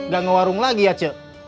gak ngewarung lagi ya cik